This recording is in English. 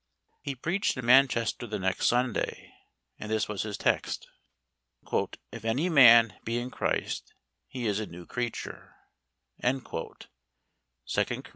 He preached in Manchester the next Sunday, and this was his text: "If any man be in Christ, he is a new creature" (2 Cor.